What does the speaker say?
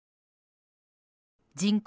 人口